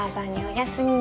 おやすみ。